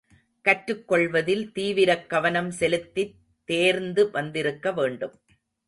கற்றுக்கொள்வதில் தீவிரக் கவனம் செலுத்தித் தேர்ந்து வந்திருக்க வேண்டும்.